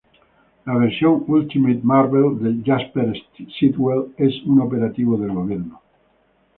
La versión Ultimate Marvel de Jasper Sitwell es un operativo del gobierno.